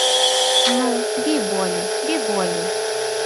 Ну, бі болей, бі болей.